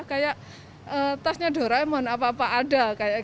kayak tasnya dorament apa apa ada